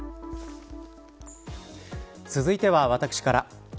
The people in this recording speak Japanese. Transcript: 続いては私から。